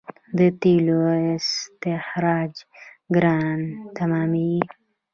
د تیلو استخراج ګران تمامېږي.